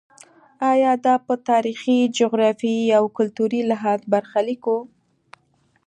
ایا دا په تاریخي، جغرافیایي او کلتوري لحاظ برخلیک و.